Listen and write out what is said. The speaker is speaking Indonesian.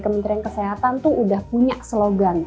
perhatian tuh udah punya slogan